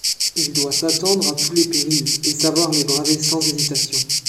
Il doit s’attendre à tous les périls, et savoir les braver sans hésitation!